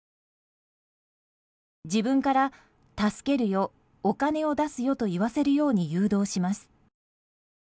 自分から助けるよ、お金を出すよと言わせるように誘導します。